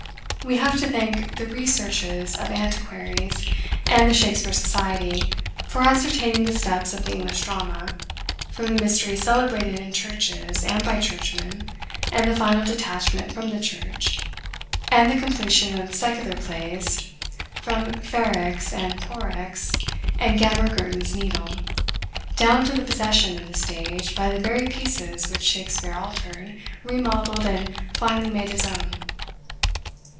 We have to thank the researches of antiquaries, and the Shakspeare Society, for ascertaining the steps of the English drama, from the Mysteries celebrated in churches and by churchmen, and the final detachment from the church, and the completion of secular plays, from Ferrex and Porrex, and Gammer Gurton's Needle, down to the possession of the stage by the very pieces which Shakspeare altered, remodelled, and finally made his own.